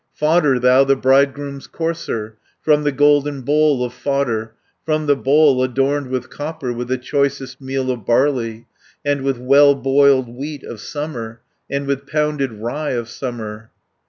"Fodder thou the bridegroom's courser, From the golden bowl of fodder, 90 From the bow! adorned with copper, With the choicest meal of barley, And with well boiled wheat of summer, And with pounded rye of summer.